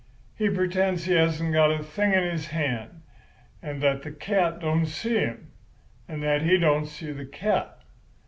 He pretends he hasn't got a thing in his hand, and that the cat don't see him, and that he don't see the cat.